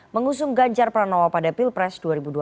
mengusung ganjar pranowo pada pilpres dua ribu dua puluh